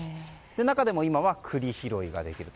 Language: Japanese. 中でも、今は栗拾いができると。